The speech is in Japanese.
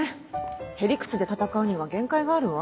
ヘリクツで戦うには限界があるわ。